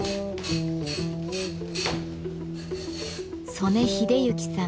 曽根秀幸さん。